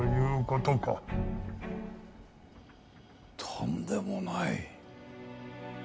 とんでもない。